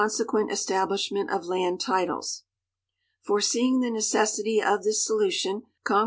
se<iueiit establishment of land titles. Foreseeing the neciissity of this solution, (longnj.